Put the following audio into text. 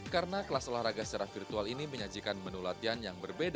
karena kelas olahraga secara virtual ini menyajikan menu latihan yang berbeda